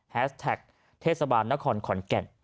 แสกเทศบาลนครขอนแก่น